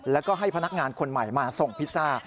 แล้วก็ให้พนักงานคนใหม่มาส่งพิซซ่า